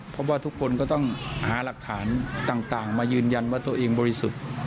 เพราะว่าทุกคนก็ต้องหาหลักฐานต่างมายืนยันว่าตัวเองบริสุทธิ์